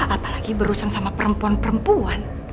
apalagi berurusan sama perempuan perempuan